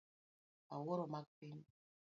Awuoro mag piny